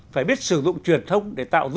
phải biết sử dụng truyền thông để tạo dự